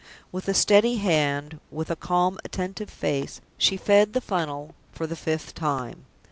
With a steady hand, with a calm, attentive face, she fed the funnel for the fifth time.